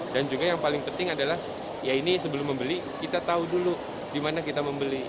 dan juga yang paling penting adalah ya ini sebelum membeli kita tahu dulu di mana kita membeli